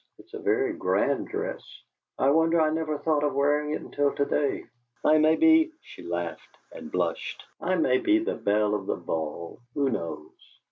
It's a very grand dress. I wonder I never thought of wearing it until to day. I may be" she laughed and blushed "I may be the belle of the ball who knows!"